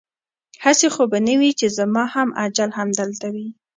هسې خو به نه وي چې زما هم اجل همدلته وي؟